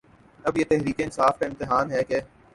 اب یہ تحریک انصاف کا امتحان ہے کہ